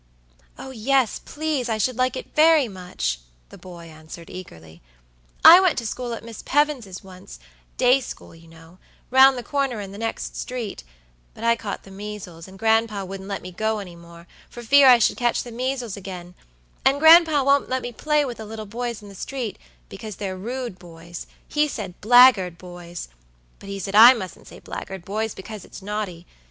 "Oh, yes, please, I should like it very much," the boy answered, eagerly. "I went to school at Miss Pevins' onceday school, you knowround the corner in the next street; but I caught the measles, and gran'pa wouldn't let me go any more, for fear I should catch the measles again; and gran'pa won't let me play with the little boys in the street, because they're rude boys; he said blackguard boys; but he said I mustn't say blackguard boys, because it's naughty.